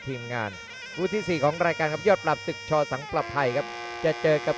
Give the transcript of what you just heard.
๓คู่ที่ผ่านมานั้นการันตีถึงความสนุกดูดเดือดที่แฟนมวยนั้นสัมผัสได้ครับ